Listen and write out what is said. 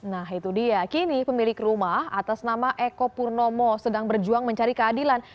nah itu dia kini pemilik rumah atas nama eko purnomo sedang berjuang mencari keadilan